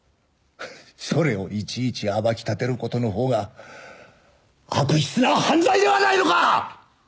それをいちいち暴き立てる事の方が悪質な犯罪ではないのか！